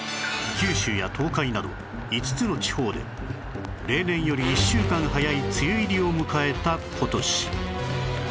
九州や東海など５つの地方で例年より１週間早い梅雨入りを迎えた今年